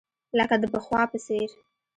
لکه د پخوا په څېر.